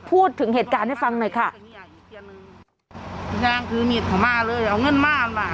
พูดถึงเหตุการณ์ให้ฟังหน่อยค่ะนางถือมีดเข้ามาเลยเอาเงินมามา